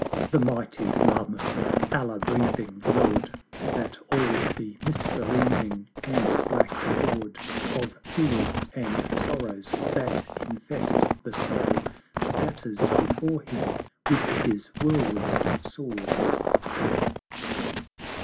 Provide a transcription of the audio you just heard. The mighty Mahmud, Allah breathing Lord, That all the misbelieving and black Horde Of Fears and Sorrows that infest the Soul Scatters before him with his whirlwind Sword.